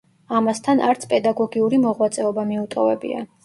ამასთან არც პედაგოგიური მოღვაწეობა მიუტოვებია.